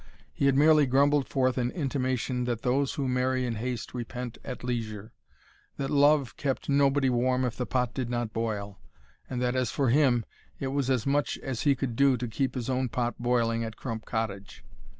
He had merely grumbled forth an intimation that those who marry in haste repent at leisure,—that love kept nobody warm if the pot did not boil; and that, as for him, it was as much as he could do to keep his own pot boiling at Crump Cottage.